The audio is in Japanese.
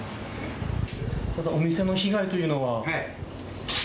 お店の被害というのは。